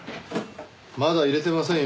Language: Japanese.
まだいれてませんよ